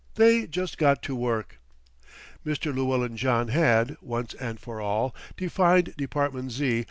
They just got to work. Mr. Llewellyn John had, once and for all, defined Department Z.